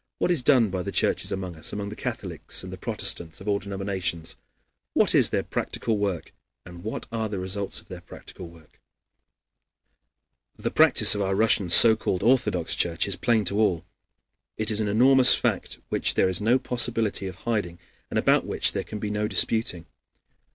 What is done by the churches among us, among the Catholics and the Protestants of all denominations what is their practical work? and what are the results of their practical work? The practice of our Russian so called Orthodox Church is plain to all. It is an enormous fact which there is no possibility of hiding and about which there can be no disputing.